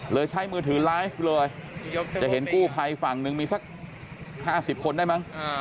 ใช้มือถือไลฟ์เลยจะเห็นกู้ภัยฝั่งหนึ่งมีสัก๕๐คนได้มั้ง